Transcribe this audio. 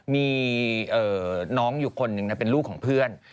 มีน้องอยู่คนหนึ่งนะเป็นลูกของเพื่อน